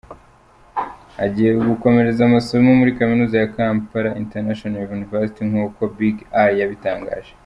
Agiye gukomereza amasomo muri kaminuza ya Kampala International University nk’uko Big Eye yabitangaje.